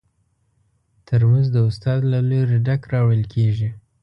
ترموز د استاد له لوري ډک راوړل کېږي.